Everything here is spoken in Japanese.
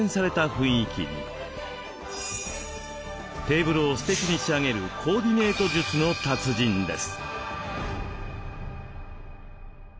テーブルをすてきに仕上げるコーディネート術の達人です。